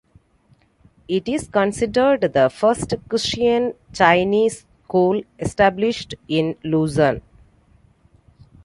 It is considered the first Christian Chinese school established in Luzon.